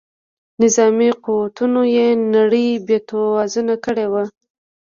نظامي قوتونو یې نړۍ بې توازونه کړې وه.